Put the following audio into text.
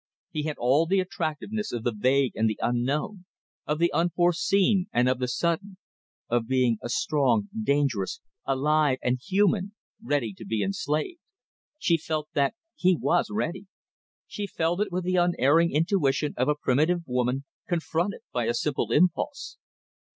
He had all the attractiveness of the vague and the unknown of the unforeseen and of the sudden; of a being strong, dangerous, alive, and human, ready to be enslaved. She felt that he was ready. She felt it with the unerring intuition of a primitive woman confronted by a simple impulse.